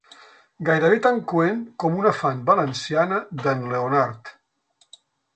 Gairebé tan coent com una fan valenciana d'en Leonard.